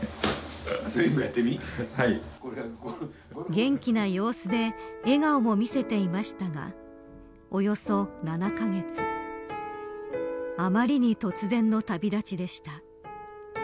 元気な様子で笑顔も見せていましたがおよそ７カ月あまりに突然の旅立ちでした。